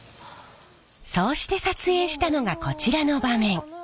そうして撮影したのがこちらの場面。